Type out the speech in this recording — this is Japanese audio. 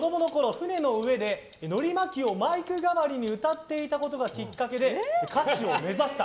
船の上でのり巻きをマイク代わりに歌っていたことがきっかけで歌手を目指した。